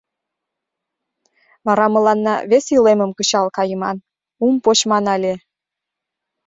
Вара мыланна вес илемым кычал кайыман, ум почман але...